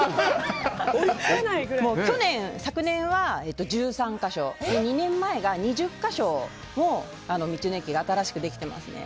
昨年は１３か所２年前が２０か所も道の駅が新しくできていますね。